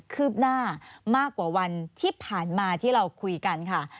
ืบหน้ามากกว่าวันที่ผ่านมาที่เราคุยกันค่ะ